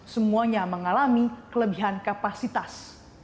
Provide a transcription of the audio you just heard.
semuanya mengalami kelebihan kapasitas